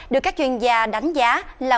được các chuyên gia đánh giá là